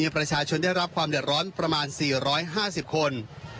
ประชาชนได้รับความเดือดร้อนประมาณ๔๕๐คน